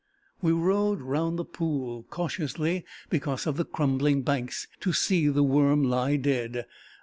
We rode round the pool, cautiously because of the crumbling banks, to see the worm lie dead.